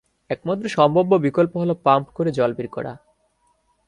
একমাত্র সম্ভাব্য বিকল্প হল পাম্প করে জল বের করা।